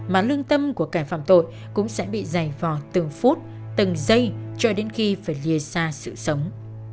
mà lương tâm của kẻ phạm tội cũng sẽ bị dày vào từng phút từng giây cho đến khi phải lìa xa sự sống